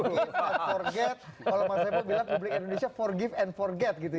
kalau mas ebo bilang publik indonesia forgive and forget gitu ya